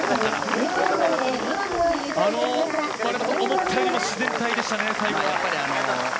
思ったよりも自然体でしたね。